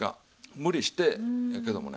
無理してやけどもね。